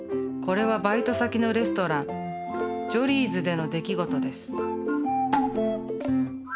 これはバイト先のレストランジョリーズでの出来事です。